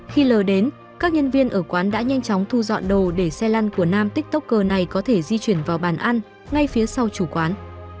khi lờ đến các nhân viên ở quán đã nhanh chóng thu dọn đồ để xe lăn của nam tiktoker này có thể di chuyển vào bàn ăn ngay phía sau chủ quán